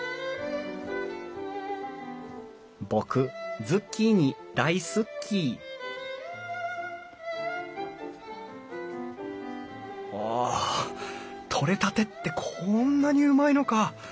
僕ズッキーニ大好っきお取れたてってこんなにうまいのか！